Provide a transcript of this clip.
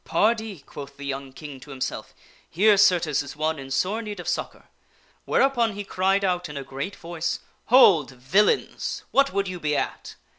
" Pardee !" quoth the young King to himself, " here, certes, is one in sore need of succor." Whereupon he cried out in a great voice, "Hold, villains! What would you be at